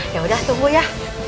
ya udah tunggu ya